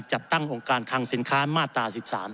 จัดตั้งองค์การคังสินค้ามาตรา๑๓